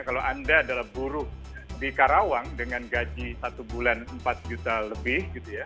kalau anda adalah buruh di karawang dengan gaji satu bulan empat juta lebih